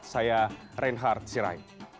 saya reinhard sirai